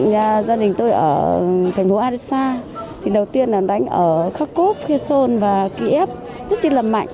gia đình tôi ở thành phố arisa đầu tiên là đánh ở kharkov kherson và kiev rất là mạnh